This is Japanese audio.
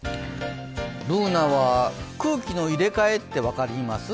Ｂｏｏｎａは空気の入れ換えって分かります？